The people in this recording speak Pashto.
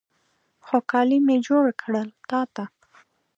خو، کالي مې جوړ کړل تا ته